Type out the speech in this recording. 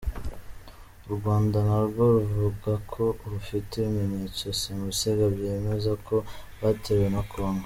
U Rwanda na rwo ruvuga ko rufite ibimenyetso simusiga byemeza ko batewe na Kongo.